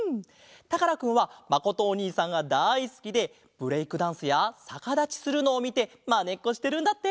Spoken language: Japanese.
たからくんはまことおにいさんがだいすきでブレイクダンスやさかだちするのをみてまねっこしてるんだって！